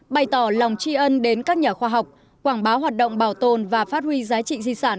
bày tỏ lòng tri ân đến các nhà khoa học quảng bá hoạt động bảo tồn và phát huy giá trị di sản